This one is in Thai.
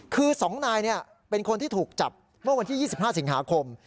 คือ๒นายเป็นคนที่ถูกจับเมื่อวันที่๒๕สิงหาคม